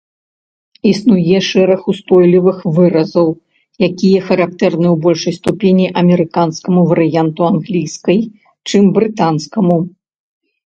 Існуе шэраг устойлівых выразаў, якія характэрны ў большай ступені амерыканскаму варыянту англійскай, чым брытанскаму.